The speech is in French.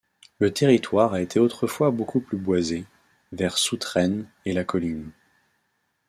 Le territoire a été autrefois beaucoup plus boisé, vers Soutraine et la colline.